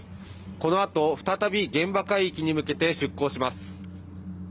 このあと再び現場海域に向けて出港します。